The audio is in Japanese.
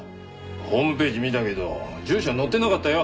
ホームページ見たけど住所載ってなかったよ。